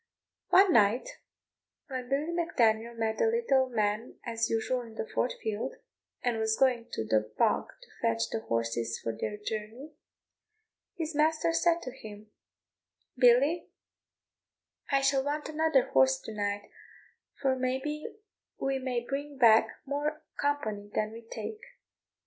One night when Billy Mac Daniel met the little man as usual in the Fort field, and was going to the bog to fetch the horses for their journey, his master said to him, "Billy, I shall want another horse to night, for may be we may bring back more company than we take."